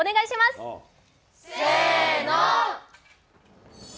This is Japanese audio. せーの！